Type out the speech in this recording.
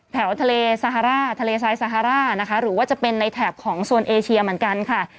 แถวทะเลซาฮาร่าทะเลทรายซาฮาร่านะคะหรือว่าจะเป็นในแถบของโซนเอเชียเหมือนกันค่ะ